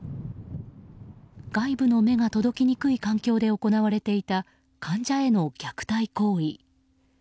外部の目が届きにくい環境で行われていた患者への虐待行為。